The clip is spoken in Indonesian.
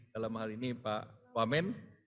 dalam hal ini pak wamen